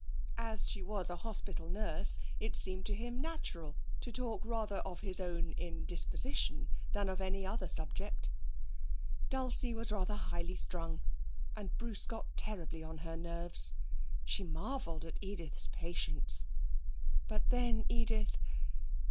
As she was a hospital nurse, it seemed to him natural to talk rather of his own indisposition than on any other subject. Dulcie was rather highly strung, and Bruce got terribly on her nerves; she marvelled at Edith's patience. But then Edith....